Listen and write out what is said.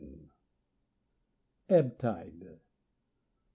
EBB TIDE.